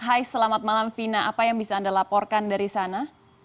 hai selamat malam vina apa yang bisa anda laporkan dari sana